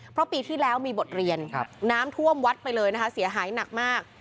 เพราะปีที่แล้วมีบทเรียนน้ำท่วมวัดไปเลยนะคะเสียหายหนักมาก